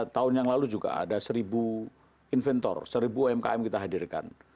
tahun yang lalu juga ada seribu inventor seribu umkm kita hadirkan